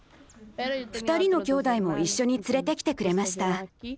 ２人のきょうだいも一緒に連れてきてくれました。